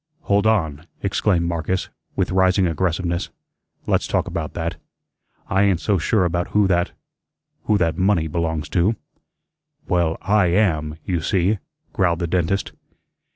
"Hold on," exclaimed Marcus, with rising aggressiveness. "Let's talk about that. I ain't so sure about who that who that money belongs to." "Well, I AM, you see," growled the dentist.